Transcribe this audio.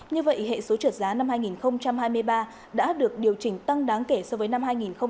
như vậy hệ số trượt giá năm hai nghìn hai mươi ba đã được điều chỉnh tăng đáng kể so với năm hai nghìn hai mươi hai